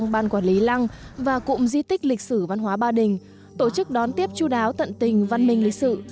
ban quản lý lăng và cụm di tích lịch sử văn hóa ba đình tổ chức đón tiếp chú đáo tận tình văn minh lịch sự